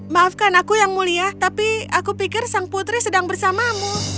maafkan aku yang mulia tapi aku pikir sang putri sedang bersamamu